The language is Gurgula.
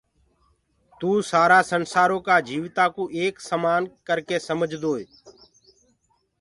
توُ سآرآ سنسآرو ڪآ جيوتآنٚ ڪو ايڪ سمآن ڪرڪي سمجدوئي